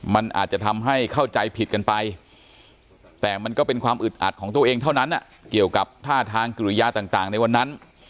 มันอาจจะทำให้เข้าใจผิดกันไปแต่มันก็เป็นความอึดอัดของตัวเองเท่านั้นเกี่ยวกับท่าทางกิริยาต่างในวันนั้น